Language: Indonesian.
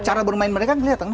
cara bermain mereka ngelihat kan